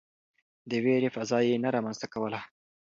د وېرې فضا يې نه رامنځته کوله.